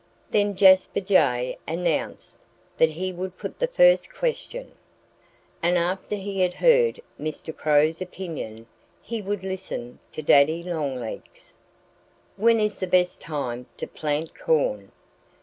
Then Jasper Jay announced that he would put the first question. And after he had heard Mr. Crow's opinion he would listen to Daddy Longlegs'. "When is the best time to plant corn?"